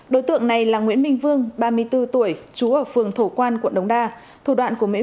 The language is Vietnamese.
đối tượng này là nguyễn minh vương ba mươi bốn tuổi chú ở phường thổ quan quận đống đa thủ đoạn của mỹ